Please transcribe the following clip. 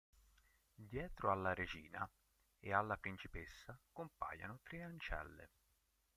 Dietro alla regina e alla principessa compaiono tre ancelle.